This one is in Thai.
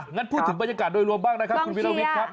งั้นพูดถึงบรรยากาศโดยรวมบ้างนะครับคุณวิรวิทย์ครับ